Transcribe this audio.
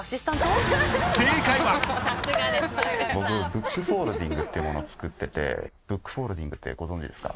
ブックフォールディングというものを作っていてブックフォールディングってご存じですか？